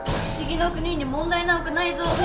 不思議の国に問題なんかないぞ！